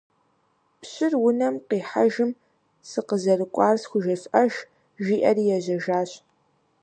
Пщыр унэм къихьэжым сыкъызэрыкӀуар схужефӏэж, жиӀэри ежьэжащ.